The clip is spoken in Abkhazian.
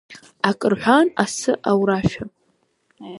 Акы рҳәан асы аурашәа…